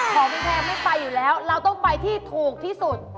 ของพี่แพงไม่ไปอยู่แล้วเราต้องไปที่ถูกที่สุด